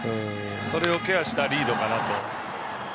それをケアしたリードかなと。